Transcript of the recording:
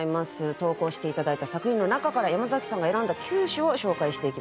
投稿して頂いた作品の中から山崎さんが選んだ９首を紹介していきます。